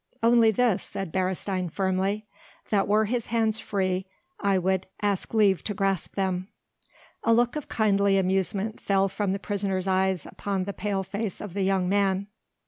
"Only this," said Beresteyn firmly, "that were his hands free I would ask leave to grasp them." A look of kindly amusement fell from the prisoner's eyes upon the pale face of the young man.